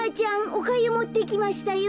おかゆもってきましたよ」。